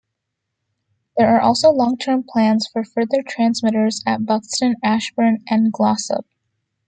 There are also long term plans for further transmitters at Buxton, Ashbourne, and Glossop.